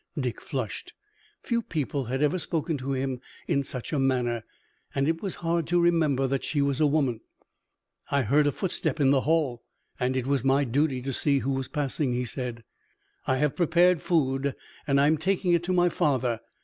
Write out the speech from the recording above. Dick flushed. Few people had ever spoken to him in such a manner, and it was hard to remember that she was a woman. "I heard a footstep in the hall, and it was my duty to see who was passing," he said. "I have prepared food and I am taking it to my father.